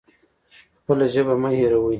خپله ژبه مه هیروئ